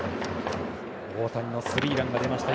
大谷のスリーランが出ました。